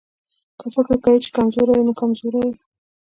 که فکر کوې چې کمزوری يې نو کمزوری يې.